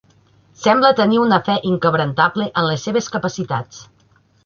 Sembla tenir una fe inquebrantable en les seves capacitats.